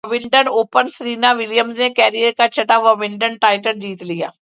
Wimbledon Open Serena ولیمزنےکیرئیر کا چھٹا ومبلڈن ٹائٹل جیت لیا